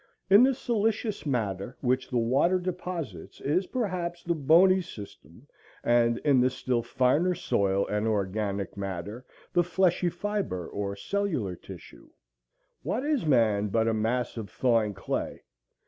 In the silicious matter which the water deposits is perhaps the bony system, and in the still finer soil and organic matter the fleshy fibre or cellular tissue. What is man but a mass of thawing clay?